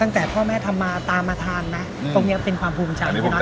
ตั้งแต่พ่อแม่ทำมาตามมาทานนะตรงนี้เป็นความภูมิใจพี่น้อย